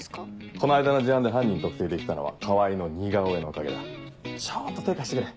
この間の事案で犯人特定できたのは川合の似顔絵のおかげだちょっと手貸してくれ。